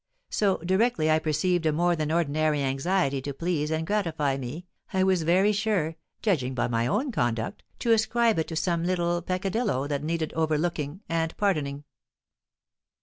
So, directly I perceived a more than ordinary anxiety to please and gratify me, I was very sure (judging by my own conduct) to ascribe it to some little peccadillo that needed overlooking and pardoning."